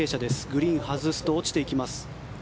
グリーンを外すと落ちていきます。